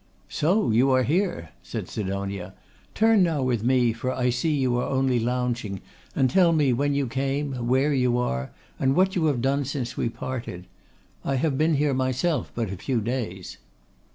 'So you are here?' said Sidonia. 'Turn now with me, for I see you are only lounging, and tell me when you came, where you are, and what you have done since we parted. I have been here myself but a few days.